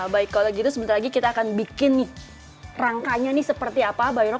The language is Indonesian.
baik kalau begitu sebentar lagi kita akan bikin rangkanya ini seperti apa bayorok